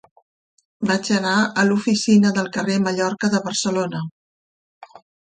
Vaig anar a l'oficina del Carrer Mallorca de Barcelona.